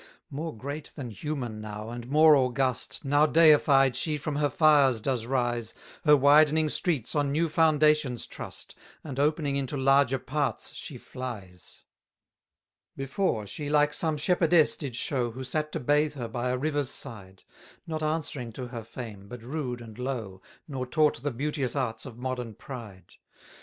295 More great than human now, and more august, Now deified she from her fires does rise: Her widening streets on new foundations trust, And opening into larger parts she flies. 296 Before, she like some shepherdess did show, Who sat to bathe her by a river's side; Not answering to her fame, but rude and low, Nor taught the beauteous arts of modern pride.